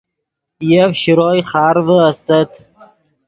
یف شروئے خارڤے استت